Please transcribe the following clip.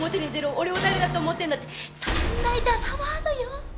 俺を誰だと思ってんだって３大ダサワードよ！